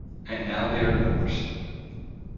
And now they are divorced.